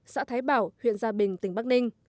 xã thái bảo huyện gia bình tỉnh bắc ninh